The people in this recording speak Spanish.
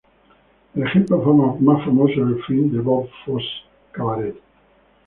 El ejemplo más famoso es el film de Bob Fosse "Cabaret".